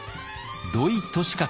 土井利勝